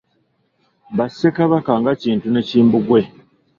Ba ssekabaka nga Kintu ne Kimbugwe.